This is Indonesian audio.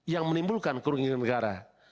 yang menimbulkan kerugian negara